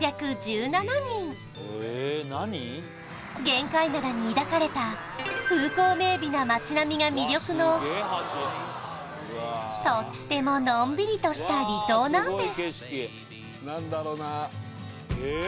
玄界灘に抱かれた風光明媚な町並みが魅力のとってものんびりとした離島なんです